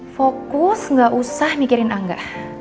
fokus gak usah mikirin angga